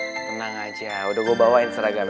tenang aja udah gue bawain seragam